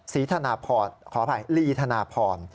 สีถนาพอร์ตขออภัยลีถนาพร